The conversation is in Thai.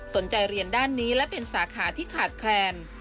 สนใจเรียนด้านนี้และเป็นสาขาที่ขาดแคลน